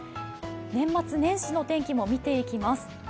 年末年始の天気も見ていきます。